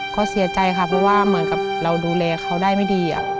ก็เสียใจค่ะเพราะว่าเหมือนกับเราดูแลเขาได้ไม่ดี